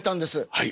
はい。